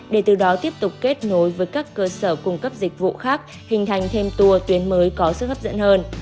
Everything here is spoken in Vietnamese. để từ đó tiếp tục kết nối với các cơ sở cung cấp dịch vụ khác hình thành thêm tour tuyến mới có sức hấp dẫn hơn